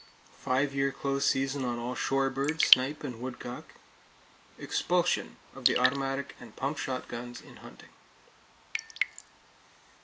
Five year close seasons on all shore birds, snipe and woodcock. Expulsion of the automatic and pump shotguns, in hunting.